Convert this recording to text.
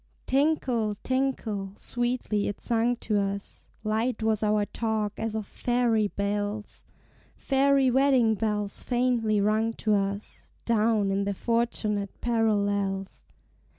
Tinkle, tinkle, sweetly it sung to us, Light was our talk as of faery bells Faery wedding bells faintly rung to us, Down in their fortunate parallels.